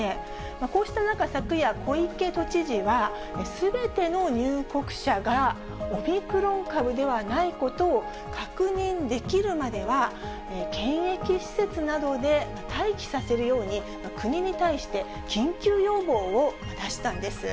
こうした中、昨夜、小池都知事は、すべての入国者がオミクロン株ではないことを確認できるまでは、検疫施設などで待機させるように、国に対して緊急要望を出したんです。